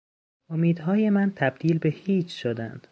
امیدهای من تبدیل به هیچ شدند.